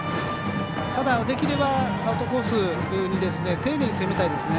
ただ、できればアウトコースに丁寧に攻めたいですね。